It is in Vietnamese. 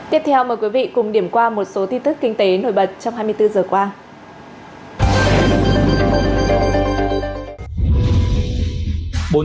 tiếp theo mời quý vị cùng điểm qua một số tin tức kinh tế nổi bật trong hai mươi bốn giờ qua